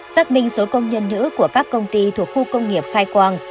xác minh số công nhân nữ của các công ty thuộc khu công nghiệp khai quang